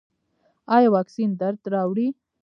ایا واکسین درد راوړي؟